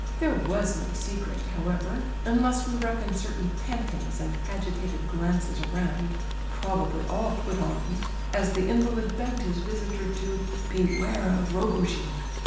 There was no secret, however, unless we reckon certain pantings and agitated glances around (probably all put on) as the invalid begged his visitor to "beware of Rogojin."